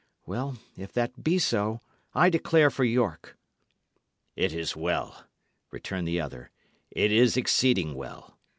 Well, if that be so, I declare for York." "It is well," returned the other; "it is exceeding well.